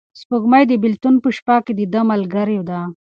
سپوږمۍ د بېلتون په شپه کې د ده ملګرې ده.